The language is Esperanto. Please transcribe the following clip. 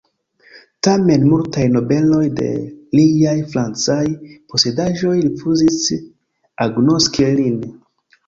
Tamen multaj nobeloj de liaj francaj posedaĵoj rifuzis agnoski lin.